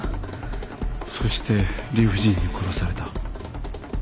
そして理不尽に殺された。